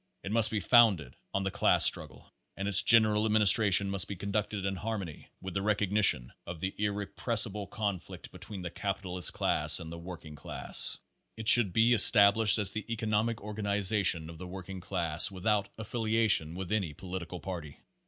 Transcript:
It must be founded on the class struggle, and its general administration must be conducted in harmony Pace Thirty nine with the recognition of the irrepressible conflict be tween the capitalist class and the working class. It should be established as the economic organiza tion of the working class, without affiliation with any political party.